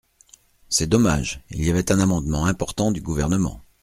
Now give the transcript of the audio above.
C’est dommage, il y avait un amendement important du Gouvernement.